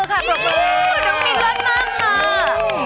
น้องมินเลิศมากค่ะ